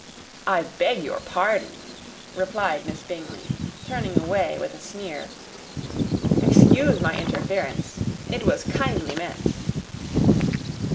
"I beg your pardon," replied Miss Bingley, turning away with a sneer. "Excuse my interference; it was kindly meant."